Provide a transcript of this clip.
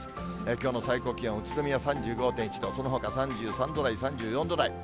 きょうの最高気温、宇都宮３５．１度、そのほか３３度台、３４度台。